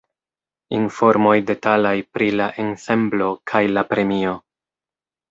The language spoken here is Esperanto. Informoj detalaj pri la ensemblo kaj la premio.